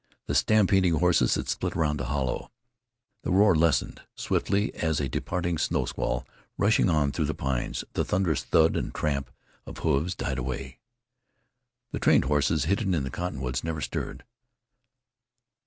The stampeding horses had split round the hollow. The roar lessened. Swiftly as a departing snow squall rushing on through the pines, the thunderous thud and tramp of hoofs died away. The trained horses hidden in the cottonwoods never stirred.